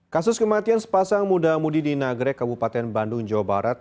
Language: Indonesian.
kasus kematian sepasang muda mudi di nagrek kabupaten bandung jawa barat